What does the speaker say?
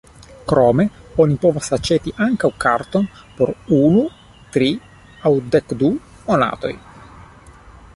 Krome oni povas aĉeti ankaŭ karton por unu, tri aŭ dekdu monatoj.